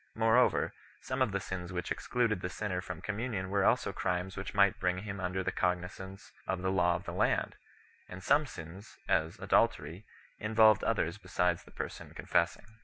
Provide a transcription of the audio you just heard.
Moreover, some of the sins which excluded the sinner from communion were also crimes which might bring him under the cognizance of the law of the land, and some sins, as adultery, involved others besides the person confessing.